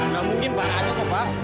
gak mungkin pak ada kok pak